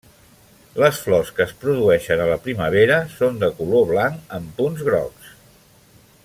Les flors que es produeixen a la primavera són de color blanc amb punts grocs.